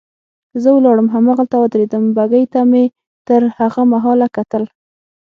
زه ولاړم هماغلته ودرېدم، بګۍ ته مې تر هغه مهاله کتل.